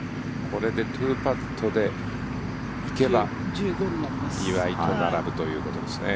これで２パットで行けば岩井と並ぶということですね。